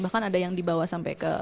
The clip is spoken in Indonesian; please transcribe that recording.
bahkan ada yang dibawa sampai ke